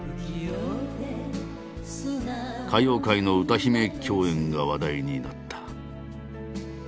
歌謡界の歌姫共演が話題になった。